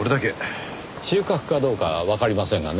収穫かどうかはわかりませんがね。